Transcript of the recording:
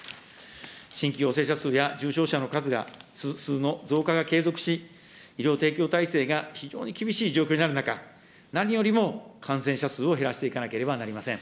新規陽性者数や重症者の数が、数の増加が継続し、医療提供体制が非常に厳しい状況にある中、何よりも感染者数を減らしていかなければなりません。